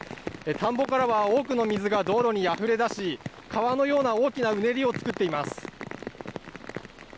田んぼからは多くの水が道路にあふれ出し川のような大きなうねりを作っています。